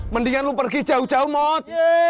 mendingan lu pergi jauh jauh mot